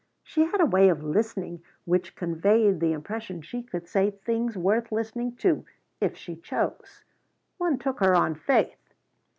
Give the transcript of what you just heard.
She had a way of listening which conveyed the impression she could say things worth listening to if she chose. One took her on faith.